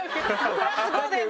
プラス５でね。